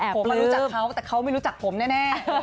ผมรู้จักเขาแต่เขาไม่รู้จักผมแน่